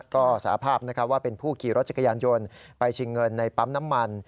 ก็สาภาพว่าเป็นผู้ขี่รถจักรยานยนต์ไปชิงเงินในปั๊มน้ำมัน